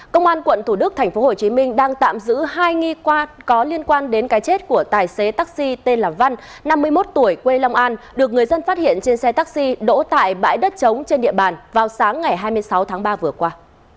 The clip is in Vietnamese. công an quận thủ đức tp hcm đang tạm giữ hai nghi quan có liên quan đến cái chết của tài xế taxi tên là văn năm mươi một tuổi quê long an được người dân phát hiện trên xe taxi đỗ tại bãi đất trống trên địa bàn vào sáng ngày hai mươi sáu tháng ba vừa qua